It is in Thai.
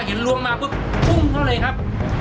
พอเห็นรวมมาปุ๊บปุ๊บเขาเลยครับ